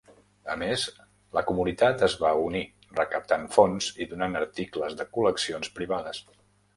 A més, la comunitat es va unir, recaptant fons i donant articles de col·leccions privades.